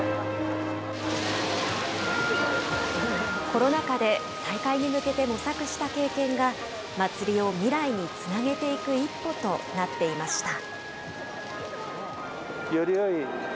コロナ禍で再開に向けて模索した経験が、祭りを未来につなげていく一歩となっていました。